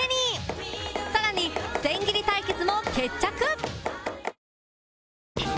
更に千切り対決も決着